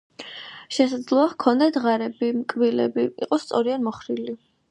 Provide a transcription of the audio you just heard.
შესაძლოა ჰქონდეთ ღარები, კბილები, იყოს სწორი ან მოხრილი.